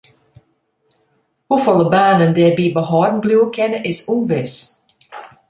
Hoefolle banen dêrby behâlden bliuwe kinne is ûnwis.